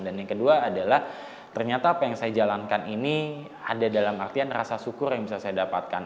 dan yang kedua adalah ternyata apa yang saya jalankan ini ada dalam artian rasa syukur yang bisa saya dapatkan